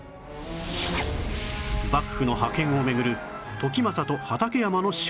幕府の覇権を巡る時政と畠山の衝突